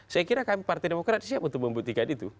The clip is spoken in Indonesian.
saya kira kami partai demokrat siap untuk membuktikan itu